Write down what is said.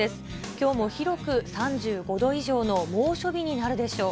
きょうも広く３５度以上の猛暑日になるでしょう。